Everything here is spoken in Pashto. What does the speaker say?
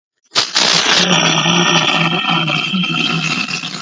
د خپلو ناروغیو د وقایې لپاره واکسین ته اړتیا ده.